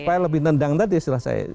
supaya lebih nendang tadi setelah saya